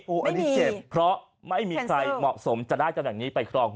ไม่มีเพราะไม่มีใครเหมาะสมจะได้จำแหน่งนี้ไปครอง